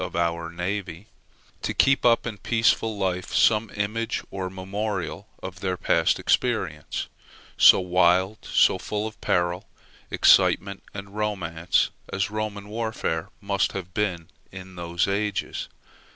of our navy) to keep up in peaceful life some image or memorial of their past experience, so wild, so full of peril, excitement, and romance, as Roman warfare must have been in those ages.